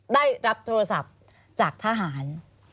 ได้รับโทรศัพท์จากทหาร